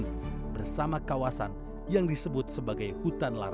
dan tiga kampung baduy dalam yang keberadaannya tidak bisa diakses oleh alat dokumentasi apapun